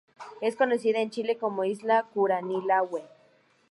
Es conocida en Chile como isla Curanilahue.